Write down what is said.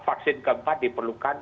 vaksin keempat diperlukan